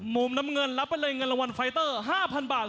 มุมน้ำเงินรับไปเลยเงินรางวัลไฟเตอร์๕๐๐บาท